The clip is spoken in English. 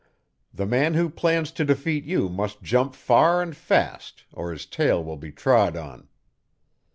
The man who plans to defeat you must jump far and fast, or his tail will be trod on."